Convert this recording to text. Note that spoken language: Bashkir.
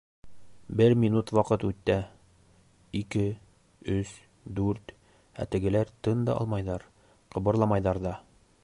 Бер минут ваҡыт үтә, ике, өс, дүрт, ә тегеләр тын да алмайҙар, ҡыбырламайҙар ҙа.